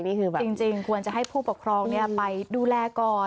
นี่คือแบบจริงจริงควรจะให้ผู้ปกครองเนี่ยไปดูแลก่อน